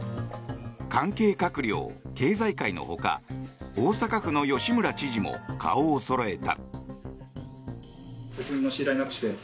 関係閣僚、経済界のほか大阪府の吉村知事も顔をそろえた。